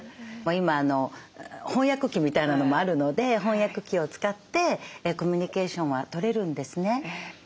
今翻訳機みたいなのもあるので翻訳機を使ってコミュニケーションは取れるんですね。